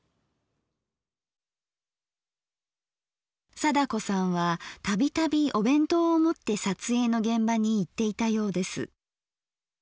貞子さんは度々お弁当を持って撮影の現場に行っていたようです。